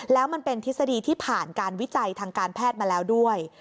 แล้วมันเป็นทฤษฎีที่ผ่านการวิจัยทางการแพทย์มาแล้วด้วย